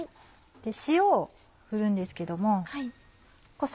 塩を振るんですけども。